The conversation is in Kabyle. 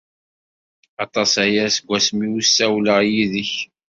Aṭas aya seg wasmi ur ssawleɣ yid-k.